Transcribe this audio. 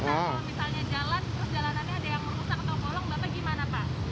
jalanannya ada yang merusak atau bolong bapak gimana pak